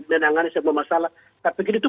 menangani semua masalah tapi ini itu